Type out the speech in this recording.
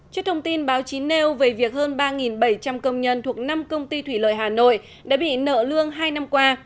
trước thông tin báo chí nêu về việc hơn ba bảy trăm linh công nhân thuộc năm công ty thủy lợi hà nội đã bị nợ lương hai năm qua